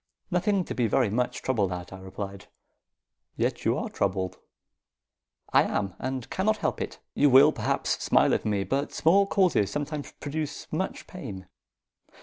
"Nothing to be very much troubled at," I replied. "Yet you are troubled." "I am; and cannot help it. You will, perhaps, smile at me, but small causes sometimes produce much pain.